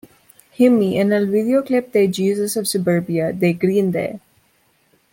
Jimmy en el videoclip de "Jesus of Suburbia" de Green Day.